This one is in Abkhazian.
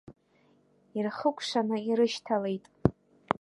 Ирхыкәшаны ирышьҭалеит.